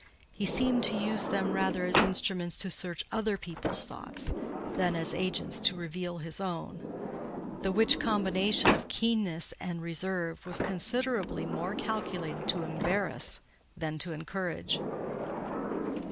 He seemed to use them rather as instruments to search other people's thoughts, than as agents to reveal his own: the which combination of keenness and reserve was considerably more calculated to embarrass than to encourage.